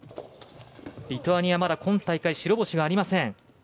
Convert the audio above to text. リトアニア、今大会白星がありません。